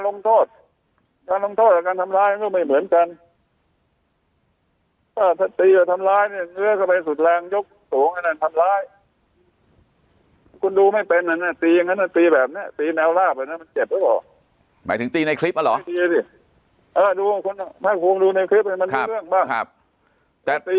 กองดูในคลิปมันมีเรื่องบ้างธรับปีด๊ี